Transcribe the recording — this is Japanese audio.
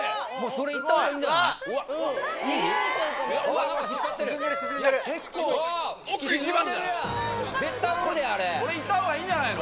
それいった方がいいんじゃないの？